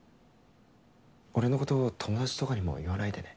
俺のこと友達とかにも言わないでね。